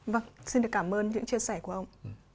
vâng xin được cảm ơn những chia sẻ của ông